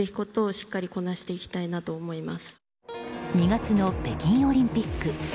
２月の北京オリンピック。